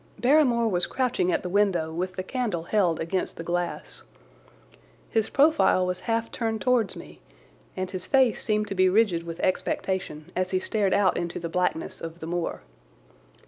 Barrymore was crouching at the window with the candle held against the glass. His profile was half turned towards me, and his face seemed to be rigid with expectation as he stared out into the blackness of the moor.